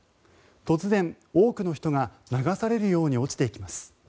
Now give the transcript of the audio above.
突然、多くの人が流されるように落ちていきます。